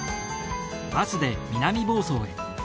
バスで南房総へ。